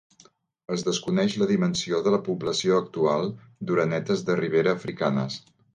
Es desconeix la dimensió de la població actual d'orenetes de ribera africanes.